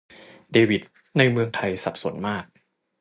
เดวิด: ในเมืองไทยสับสนมาก